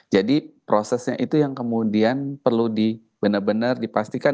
jadi prosesnya itu yang kemudian perlu di benar benar dipastikan